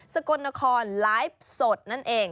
กลนครไลฟ์สดนั่นเอง